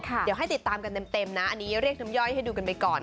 เดี๋ยวให้ติดตามกันเต็มนะอันนี้เรียกน้ำย่อยให้ดูกันไปก่อน